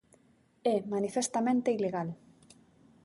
É manifestamente ilegal.